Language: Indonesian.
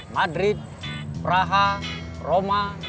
madrid praha roma